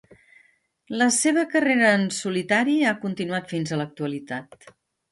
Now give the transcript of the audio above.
La seva carrera en solitari ha continuat fins a l'actualitat.